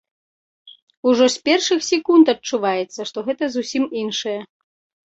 Ужо з першых секунд адчуваецца, што гэта зусім іншае.